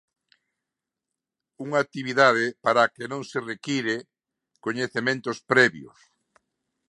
Unha actividade para a que non se require coñecementos previos.